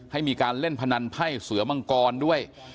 ให้มีการเล่นพนันไพ่เสือมังกรด้วย